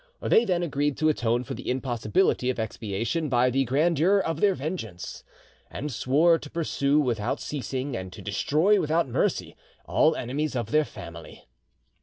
They then agreed to atone for the impossibility of expiation by the grandeur of their vengeance, and swore to pursue without ceasing and to destroy without mercy all enemies of their family.